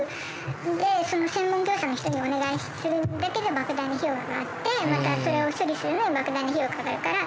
でその専門業者の人にお願いするだけで莫大な費用がかかってまたそれを処理するにも莫大な費用がかかるから。